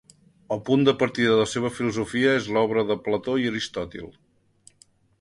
El punt de partida de la seva filosofia és l'obra de Plató i Aristòtil.